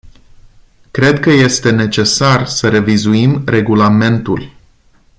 Cred că este necesar să revizuim regulamentul.